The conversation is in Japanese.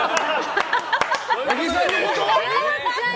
八木さんのこと？